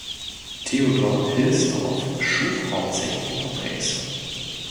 Theodor Hilsdorf schuf hauptsächlich Porträts.